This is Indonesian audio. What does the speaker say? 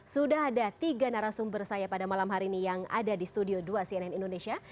sudah ada tiga narasumber saya pada malam hari ini yang ada di studio dua cnn indonesia